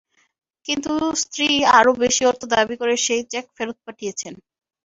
কিন্তু স্ত্রী আরও বেশি অর্থ দাবি করে সেই চেক ফেরত পাঠিয়েছেন।